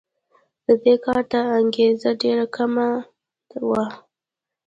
د دې کار ته انګېزه ډېره کمه وه.